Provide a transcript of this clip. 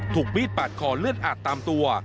ถูกมีดปาดคอเลือดอาบตามตัว